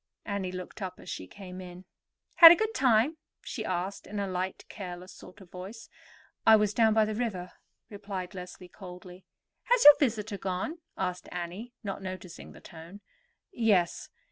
Annie looked up as she came in. "Had a good time?" she asked in a light, careless sort of voice. "I was down by the river," replied Leslie coldly. "Has your visitor gone?" asked Annie, not noticing the tone. "Yes.